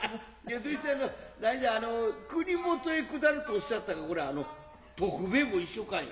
そしてあの何じゃあの国許へ下るとおっしゃったがこれあの徳兵衛も一緒かいな。